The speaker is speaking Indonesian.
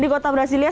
di kota brasilia